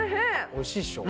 美味しいっしょ？